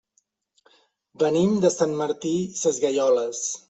Venim de Sant Martí Sesgueioles.